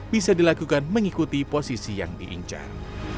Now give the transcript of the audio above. bisa dilakukan mengikuti posisi yang diincar